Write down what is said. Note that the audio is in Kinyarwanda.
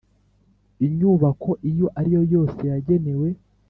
Inyubako iyo ariyo yose yagenewe